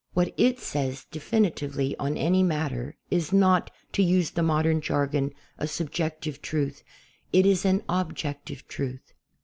What it says definitely on any matter is not, to use the modern jargon, a "subjective" truth; it is an objective truth.